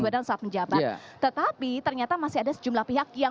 dengan ini secara resmi digunakan